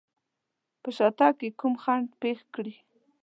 په شاتګ کې کوم خنډ پېښ کړي.